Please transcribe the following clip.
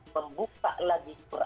membuka lagi quran